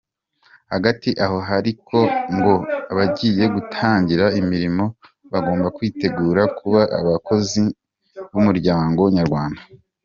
Hagati aho ariko ngo abagiye gutangira imirimo bagomba kwitegura kuba abakozi b’umuryango nyarwanda.